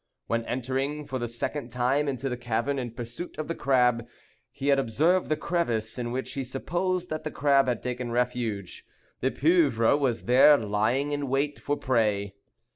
When entering for the second time into the cavern in pursuit of the crab, he had observed the crevice in which he supposed that the crab had taken refuge, the pieuvre was there lying in wait for prey.